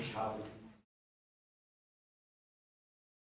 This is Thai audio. โปรดติดตามตอนต่อไป